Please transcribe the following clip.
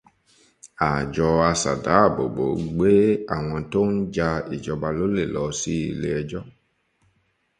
Àjọ aṣèdáàbòbò gbé àwọn tó ń ja ìjọba lólè lọ sí ilèẹjọ́.